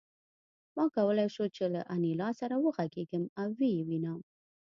ما کولای شول چې له انیلا سره وغږېږم او ویې وینم